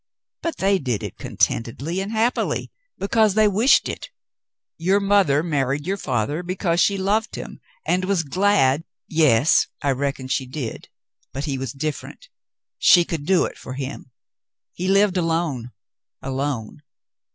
"But they did it contentedly and happily — because they wished it. Your mother married your father be cause she loved him, and was glad —" "Yes, I reckon she did — but he was different. She could do it for him. He lived alone — alone.